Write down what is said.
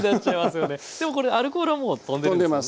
でもこれアルコールはもうとんでます。